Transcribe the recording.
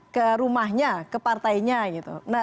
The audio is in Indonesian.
ke rumahnya ke partainya